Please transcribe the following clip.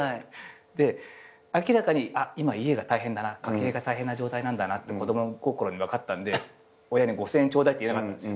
で明らかに今家が大変だな家計が大変な状態なんだなって子供心に分かったんで親に５，０００円ちょうだいって言えなかったんですよ。